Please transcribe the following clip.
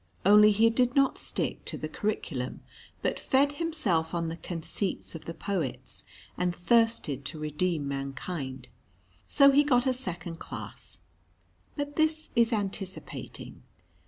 Only he did not stick to the curriculum, but fed himself on the conceits of the poets, and thirsted to redeem mankind. So he got a second class. But this is anticipating.